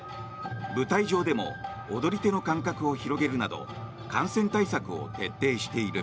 舞台上でも踊り手の間隔を広げるなど感染対策を徹底している。